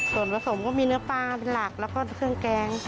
ส่วนผสมก็มีเนื้อปลาเป็นหลักแล้วก็เครื่องแกง